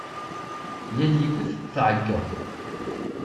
Yal yiwet tɛeggeḍ.